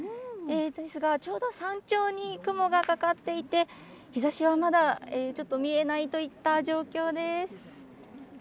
ですが、ちょうど山頂に雲がかかっていて、日ざしはまだちょっと見えないといった状況です。